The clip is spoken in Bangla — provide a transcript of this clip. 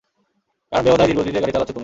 কারণ বেহুদাই ধীর গতিতে গাড়ি চালাচ্ছো তুমি।